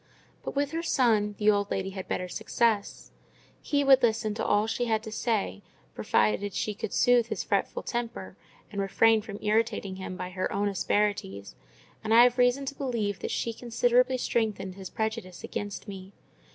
But with her son, the old lady had better success: he would listen to all she had to say, provided she could soothe his fretful temper, and refrain from irritating him by her own asperities; and I have reason to believe that she considerably strengthened his prejudice against me.